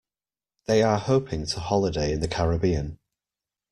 They are hoping to holiday in the Caribbean.